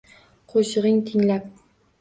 Qo’shig’ing tinglab